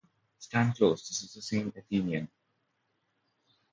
Stand close: this is the same Athenian.